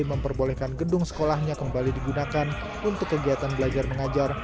memperbolehkan gedung sekolahnya kembali digunakan untuk kegiatan belajar mengajar